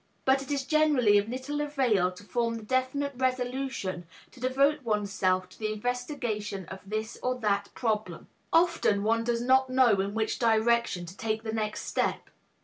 But it is generally of little avail to form the definite resolution to devote oneself to the investigation of this or that problem. Often one does not know in which direction to take the next step.